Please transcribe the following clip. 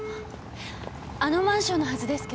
あのマンションのはずですけど。